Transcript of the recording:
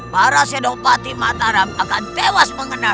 para senopati mataram akan tewas mengenaskan